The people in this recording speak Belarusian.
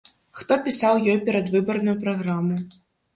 Хто пісаў ёй перадвыбарную праграму?